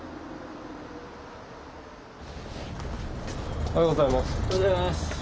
おはようございます。